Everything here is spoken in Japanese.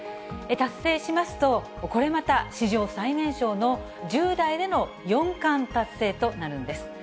達成しますと、これまた史上最年少の１０代での四冠達成となるんです。